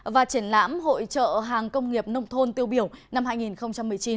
và triển lãm hội trợ hàng công nghiệp nông thôn tiêu biểu năm hai nghìn một mươi chín